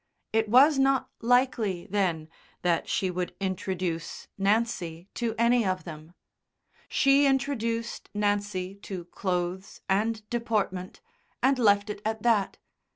It was not likely, then, that she would introduce Nancy to any of them. She introduced Nancy to clothes and deportment, and left it at that.